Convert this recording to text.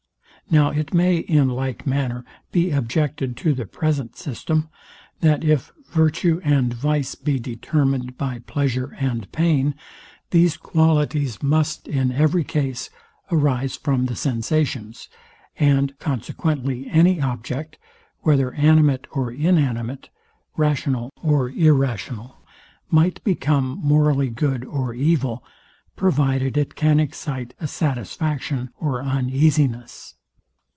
Now it may, in like manner, be objected to the present system, that if virtue and vice be determined by pleasure and pain, these qualities must, in every case, arise from the sensations; and consequently any object, whether animate or inanimate, rational or irrational, might become morally good or evil, provided it can excite a satisfaction or uneasiness.